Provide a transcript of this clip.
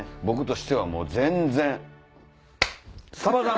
僕としてはもう全然！